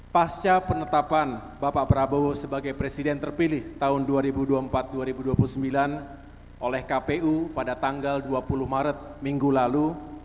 pasca penetapan bapak prabowo sebagai presiden terpilih tahun dua ribu dua puluh empat dua ribu dua puluh sembilan oleh kpu pada tanggal dua puluh maret minggu lalu